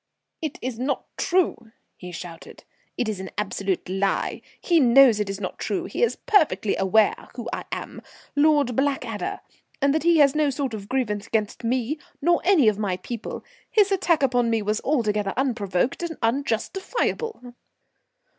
"It is not true," he shouted. "It is an absolute lie. He knows it is not true; he is perfectly well aware who I am, Lord Blackadder; and that he has no sort of grievance against me nor any of my people. His attack upon me was altogether unprovoked and unjustifiable."